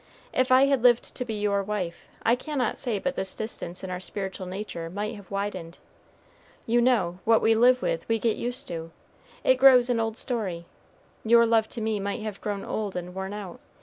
If I had lived to be your wife, I cannot say but this distance in our spiritual nature might have widened. You know, what we live with we get used to; it grows an old story. Your love to me might have grown old and worn out.